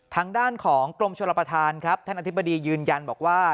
ทางด้านของกรมชลประธานครับท่านอธิบดียืนยันบอกว่า